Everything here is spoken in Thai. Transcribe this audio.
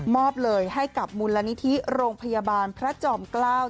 อบเลยให้กับมูลนิธิโรงพยาบาลพระจอมเกล้า